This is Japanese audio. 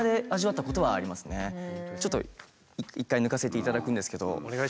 ちょっと一回抜かせていただくんですけど。